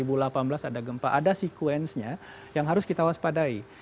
kemudian dua ribu delapan belas ada gempa ada sekuensinya yang harus kita waspadai